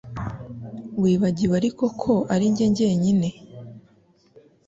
Wibagiwe ariko ko ari njye jyenyine